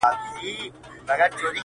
ټول عمر تكه توره شپه وي رڼا كډه كړې-